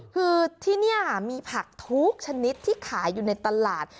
คือที่นี่มีผักทุกชนิดที่ขายอยู่ในตลาด